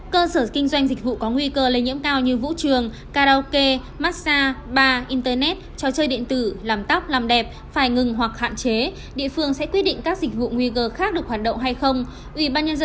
cơ sở kinh doanh dịch vụ có nguy cơ lây nhiễm cao như vũ trường karaoke massage bar internet trò chơi điện tử làm tóc làm đẹp phải ngừng hoặc hạn chế địa phương sẽ quyết định các dịch vụ nguy cơ khác được hoạt động hay không